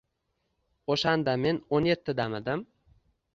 O‘shanda men o‘n yettidamidim?